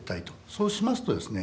そうしますとですね